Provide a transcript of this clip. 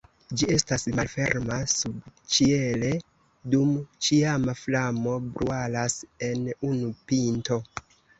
Ĝi estas malferma subĉiele dum ĉiama flamo brulas en unu pinto.